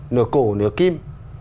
nửa cổ nửa kim